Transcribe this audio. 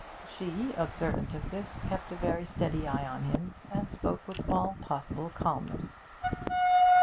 She, observant of this, kept a very steady eye on him, and spoke with all possible calmness.